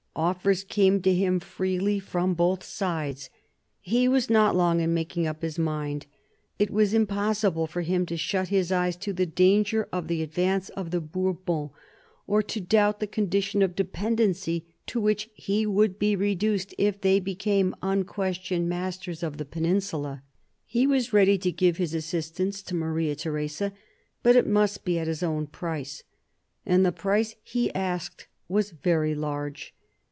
Offers came to him freely from both sides. He was not long in making up his mind; it was impossible for him to shut his eyes to the danger of the advance of the Bourbons, or to doubt the condition of dependency to which he would be reduced if they became unquestioned masters of the peninsula. He was ready to give his assistance to Maria Theresa, but it must be at his own price. And the price he asked was very large.